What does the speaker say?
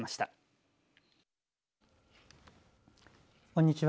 こんにちは。